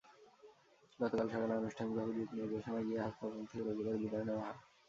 গতকাল সকালে আনুষ্ঠানিকভাবে দিকনির্দেশনা দিয়ে হাসপাতাল থেকে রোগীদের বিদায় দেওয়া হয়।